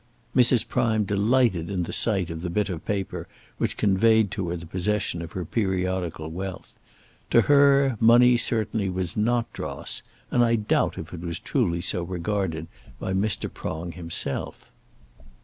Mrs. Prime delighted in the sight of the bit of paper which conveyed to her the possession of her periodical wealth. To her money certainly was not dross, and I doubt if it was truly so regarded by Mr. Prong himself.